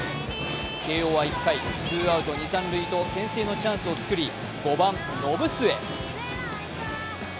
慶応は１回、ツーアウト、二・三塁と先制のチャンスを作り、５番・延末。